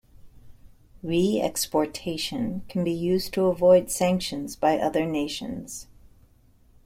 Re-exportation can be used to avoid sanctions by other nations.